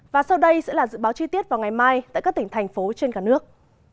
và sau đây sẽ là dự báo chi tiết vào ngày mai tại các tỉnh thành phố trên cả nước